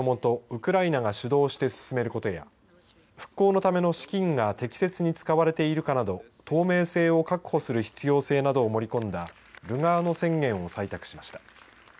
ウクライナが主導して進めることや復興のための資金が適切に使われているかなど透明性を確保する必要性などを盛り込んだルガーノ宣言を採択しました。